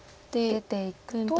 出ていくと。